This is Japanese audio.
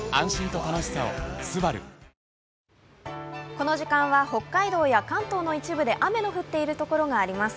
この時間は北海道や関東の一部で雨の降っている所があります。